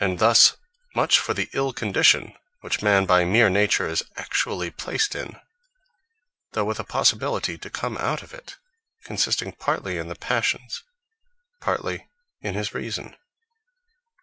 And thus much for the ill condition, which man by meer Nature is actually placed in; though with a possibility to come out of it, consisting partly in the Passions, partly in his Reason.